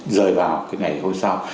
rời vào cái ngày hôm sau